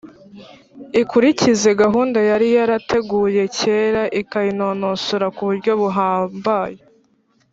ikurikize gahunda yari yarateguye kera ikayinonosora ku buryo buhambaye.